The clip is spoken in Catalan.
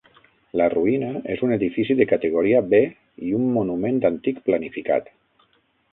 La ruïna és un edifici de categoria B i un monument antic planificat.